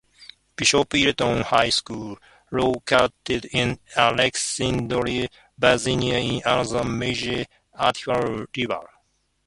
Bishop Ireton High School, located in Alexandria, Virginia, is another major athletic rival.